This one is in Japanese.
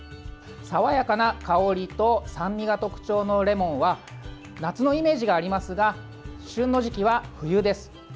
爽やかな香りと酸味が特徴のレモンは夏のイメージがありますが旬の時期は冬です。